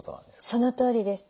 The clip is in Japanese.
そのとおりです。